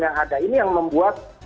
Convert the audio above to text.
yang ada ini yang membuat